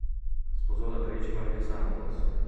Sposò l'attrice Maria Santos.